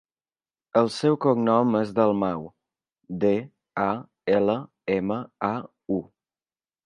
El seu cognom és Dalmau: de, a, ela, ema, a, u.